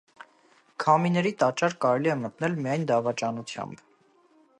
Քամիների տաճար կարելի է մտնել միայն դավաճանությամբ։